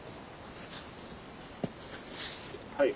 はい。